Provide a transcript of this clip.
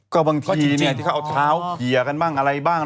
ก็บางทีเนี่ยที่เขาเอาเท้าเคลียร์กันบ้างอะไรบ้าง